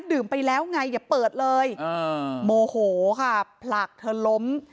ดื่มไปแล้วไงอย่าเปิดเลยโมโหค่ะผลักเธอล้ม